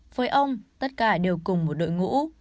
với ông tất cả đều cùng một đội ngũ